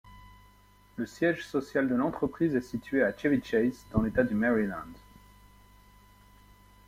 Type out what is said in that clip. Le siège social de l'entreprise est situé à Chevy Chase, dans l'État du Maryland.